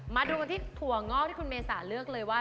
มาดูกันที่ถั่วงอกที่คุณเมษาเลือกเลยว่า